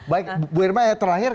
baik bu irma terakhir